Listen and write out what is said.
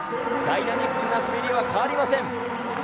ダイナミックな滑りは変わりません。